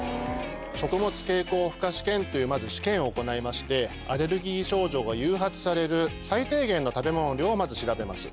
食物経口負荷試験というまず試験を行いましてアレルギー症状が誘発される最低限の食べ物の量を調べます。